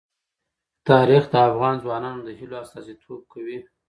تاریخ د افغان ځوانانو د هیلو استازیتوب کوي.